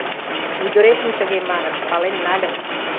ӱдыретым тыге маныт — пален нальым